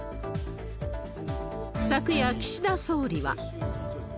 昨夜、岸田総理は。